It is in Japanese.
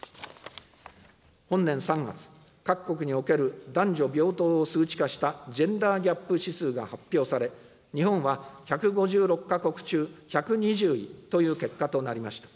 本年３月、各国における男女平等を数値化したジェンダーギャップ指数が発表され、日本は１５６か国中１２０位という結果となりました。